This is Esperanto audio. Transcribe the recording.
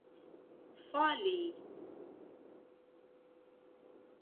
fali